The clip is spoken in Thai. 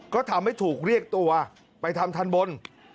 ก็ทำให้ถูกเรียกตัวไปทำทันบน